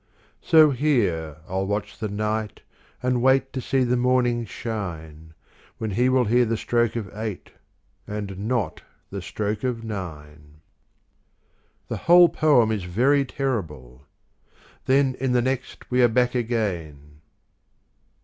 So here I'll watch the night and wait To see the morning shine, When he will hear the stroke of eight, And not the stroke of nine. The whole poem is very terrible: and then in the next we are back again